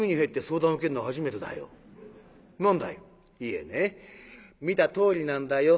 「いえね見たとおりなんだよ。